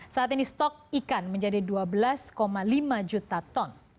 saat ini stok ikan menjadi dua belas lima juta ton